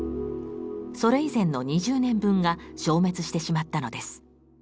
それ以前の２０年分が消滅してしまったのです。